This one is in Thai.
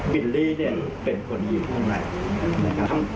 บิลลี่เป็นคนอยู่ข้างใน